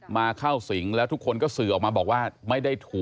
มาเข้าสิงแล้วทุกคนก็สื่อออกมาบอกว่า